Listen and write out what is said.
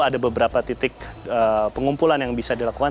ada beberapa titik pengumpulan yang bisa dilakukan